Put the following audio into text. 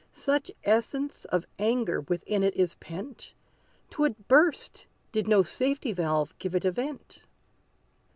Such essence of anger within it is pent, 'Twould burst did no safety valve give it a vent.